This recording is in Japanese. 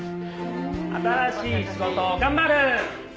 新しい仕事頑張る！